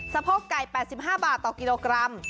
โพกไก่๘๕บาทต่อกิโลกรัม